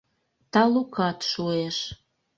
Талукат шуэш.